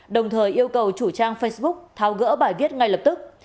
đồng thời yêu cầu chủ trang facebook tháo gỡ bài viết ngay lập tức